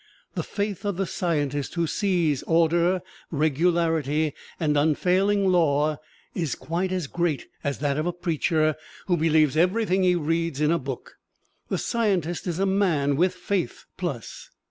The faith of the scientist who sees order, regularity and unfailing law is quite as great as that of a preacher who believes everything he reads in a book. The scientist is a man with faith, plus.